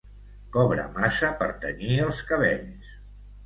Cobra massa per tenyir els cabells.